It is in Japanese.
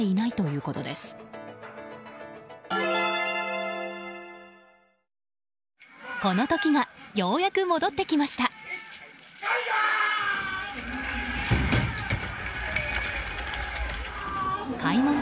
この時がようやく戻ってきました。